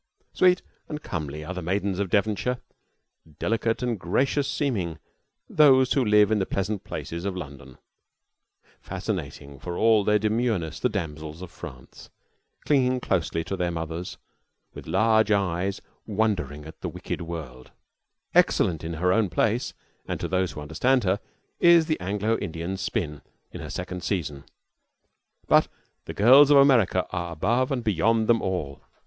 Sweet and comely are the maidens of Devonshire; delicate and of gracious seeming those who live in the pleasant places of London; fascinating for all their demureness the damsels of France, clinging closely to their mothers, with large eyes wondering at the wicked world; excellent in her own place and to those who understand her is the Anglo Indian "spin" in her second season; but the girls of America are above and beyond them all.